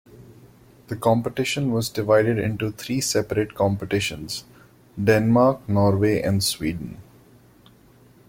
The competition was divided into three separate competitions: Denmark, Norway and Sweden.